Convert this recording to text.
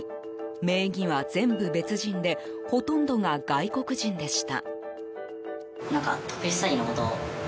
名義は全部別人でほとんどが外国人でした。